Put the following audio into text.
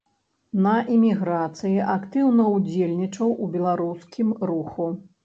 На эміграцыі актыўна ўдзельнічаў у беларускім руху.